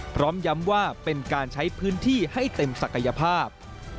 พร้อมย้ำว่าเป็นการใช้พื้นที่ให้เต็มศักยภาพ